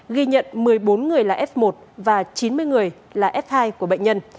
ghi nhận một mươi bốn người là f một và chín mươi người là f hai của bệnh nhân